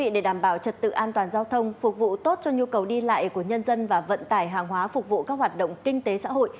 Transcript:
để đảm bảo trật tự an toàn giao thông phục vụ tốt cho nhu cầu đi lại của nhân dân và vận tải hàng hóa phục vụ các hoạt động kinh tế xã hội